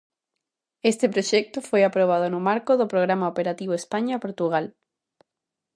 Este proxecto foi aprobado no marco do Programa Operativo España Portugal.